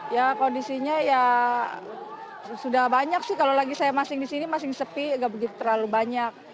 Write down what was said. ya kondisinya ya sudah banyak sih kalau lagi saya masing masing di sini masing sepi nggak begitu terlalu banyak